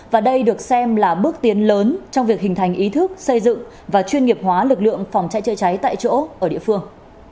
và đây được xem là bước tiến lớn trong việc hình thành ý thức xây dựng và chuyên nghiệp hóa lực lượng phòng cháy chữa cháy tại chỗ ở địa phương